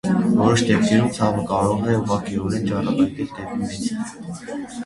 Որոշ դեպքերում ցավը կարող է ուղղակիորեն ճառագայթել դեպի մեջք։